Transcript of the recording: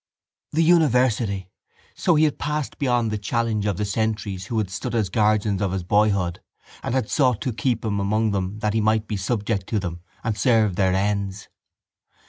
The university! So he had passed beyond the challenge of the sentries who had stood as guardians of his boyhood and had sought to keep him among them that he might be subject to them and serve their ends.